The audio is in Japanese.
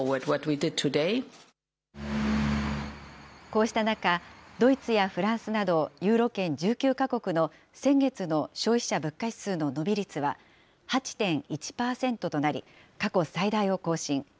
こうした中、ドイツやフランスなどユーロ圏１９か国の先月の消費者物価指数の伸び率は８．１％となり、過去最大を更新。